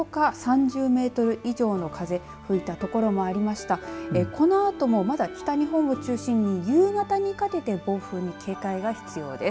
このあともまだ北日本を中心に夕方にかけて暴風に警戒が必要です。